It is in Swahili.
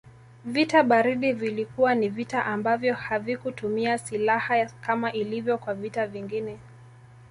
Vita baridi vilikuwa ni vita ambavyo havikutumia siilaha kama ilivyo kwa vita vingine